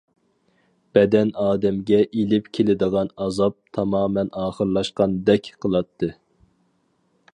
بەدەن ئادەمگە ئېلىپ كېلىدىغان ئازاب تامامەن ئاخىرلاشقاندەك قىلاتتى.